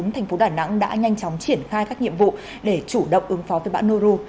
thành phố đà nẵng đã nhanh chóng triển khai các nhiệm vụ để chủ động ứng phó với bão nu